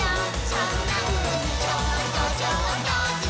「そんなふうにちょっとちょっとずつね」